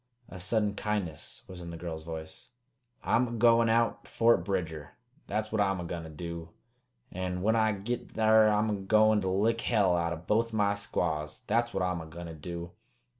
A sudden kindness was in the girl's voice. "I'm a goin' out to Fort Bridger, that's what I'm a goin' to do; an' when I git thar I'm a goin' to lick hell out o' both my squaws, that's what I'm a goin' to do!